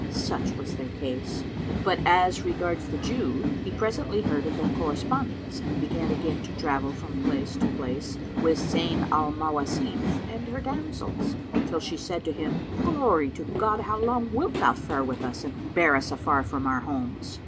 Such was their case; but as regards the Jew, he presently heard of their correspondence and began again to travel from place to place with Zayn al Mawasif and her damsels, till she said to him, "Glory to God! How long wilt thou fare with us and bear us afar from our homes?"